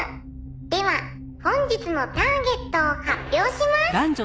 「では本日のターゲットを発表します！」